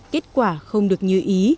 kết quả không được như ý